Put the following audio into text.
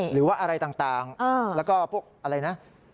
หรือว่าอะไรต่างแล้วก็พวกอะไรนะ